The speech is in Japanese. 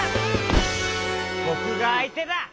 ぼくがあいてだ！